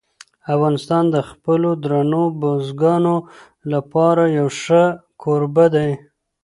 افغانستان د خپلو درنو بزګانو لپاره یو ښه کوربه دی.